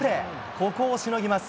ここをしのぎます。